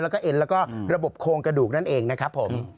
แล้วก็เอ็นแล้วก็ระบบโครงกระดูกนั่นเองนะครับผม